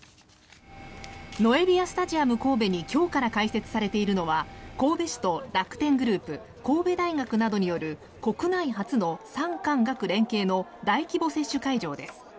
ノエビアスタジアム神戸に今日から開設されているのは神戸市と楽天グループ神戸大学などによる国内初の産官学連携の大規模接種会場です。